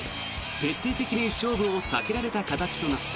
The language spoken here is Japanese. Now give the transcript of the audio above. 徹底的に勝負を避けられた形となった。